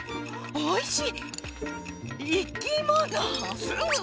おいしい。